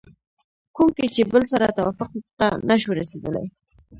کوم کې چې بل سره توافق ته نشو رسېدلی